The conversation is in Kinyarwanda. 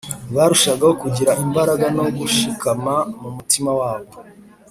barushagaho kugira imbaraga no gushikama mu mutima wabo